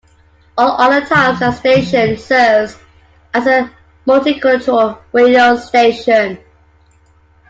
All other times the station serves as a multicultural radio station.